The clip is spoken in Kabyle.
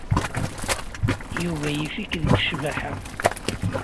Yuba yif-ik deg ccbaḥa.